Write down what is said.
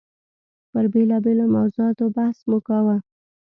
پر بېلابېلو موضوعاتو بحث مو کاوه.